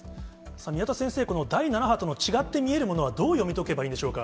宮田先生、この第７波との違って見えるものはどう読み解けばいいでしょうか。